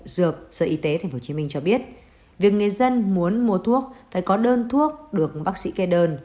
dược sở y tế tp hcm cho biết việc người dân muốn mua thuốc phải có đơn thuốc được bác sĩ kê đơn